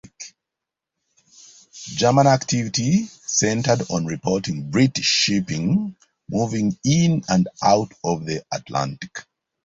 German activity centered on reporting British shipping moving in and out of the Atlantic.